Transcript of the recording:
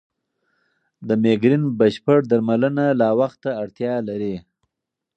د مېګرین بشپړ درملنه لا وخت ته اړتیا لري.